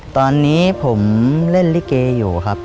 ตอนนี้ผมเล่นลิเกอยู่ครับ